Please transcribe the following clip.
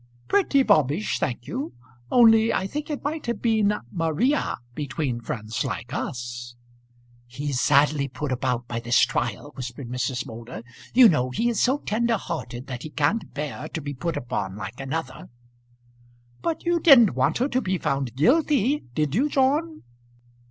"Pretty bobbish, thank you. Only I think it might have been Maria between friends like us." "He's sadly put about by this trial," whispered Mrs. Moulder. "You know he is so tender hearted that he can't bear to be put upon like another." "But you didn't want her to be found guilty; did you, John?"